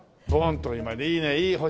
いいねいい。